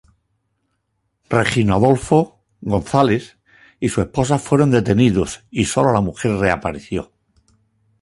Regino Adolfo González y su esposa fueron detenidos y sólo la mujer reapareció.